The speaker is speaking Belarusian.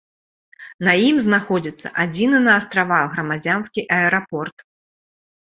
На ім знаходзіцца адзіны на астравах грамадзянскі аэрапорт.